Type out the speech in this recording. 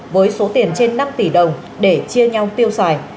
với số tiền trên năm tỷ đồng để chia nhau tiêu xài